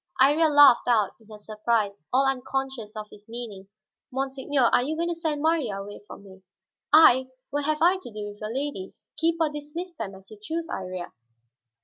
Iría laughed out in her surprise, all unconscious of his meaning. "Monseigneur, are you going to send Marya away from me?" "I! What have I to do with your ladies? Keep or dismiss them as you choose, Iría."